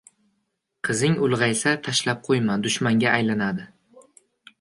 qizing ulg‘aysa, tashlab qo‘yma — dushmanga aylanadi.